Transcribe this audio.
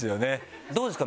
どうですか？